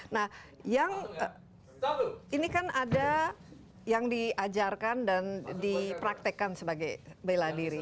nah yang ini kan ada yang diajarkan dan dipraktekkan sebagai bela diri